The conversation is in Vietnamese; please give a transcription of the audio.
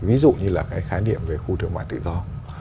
ví dụ như là cái khái niệm về khu thương mại tự do